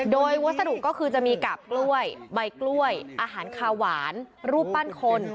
โดยวัสดุก็คือจะมีกาบกล้วยใบกล้วยอาหารคาหวานรูปปั้นคน